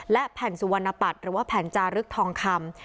และแผ่นสุวรรณปัตย์หรือว่าแผ่นจารึกทองคำ